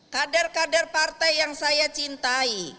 kader kader partai yang saya cintai